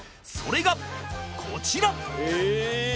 それがこちら